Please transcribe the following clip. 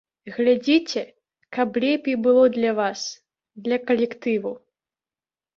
Глядзіце, каб лепей было для вас, для калектыву.